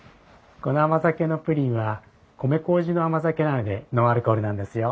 この甘酒のプリンは米麹の甘酒なのでノンアルコールなんですよ。